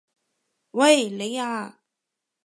喂！你啊！